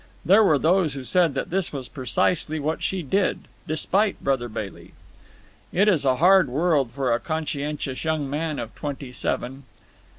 There were those who said that this was precisely what she did, despite Brother Bailey. It is a hard world for a conscientious young man of twenty seven.